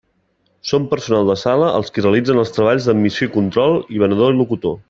Són personal de sala els qui realitzen els treballs d'admissió i control, i venedor-locutor.